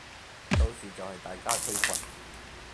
到時就係大家退群